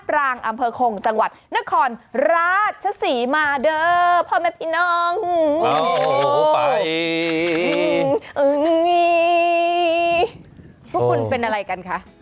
พวกคุณเป็นอะไรกันคะ